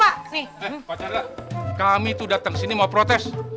pak jandra kami tuh dateng sini mau protes